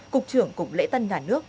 cục trưởng cục lễ tân nhà nước